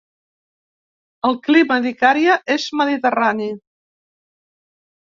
El clima d'Icària és mediterrani.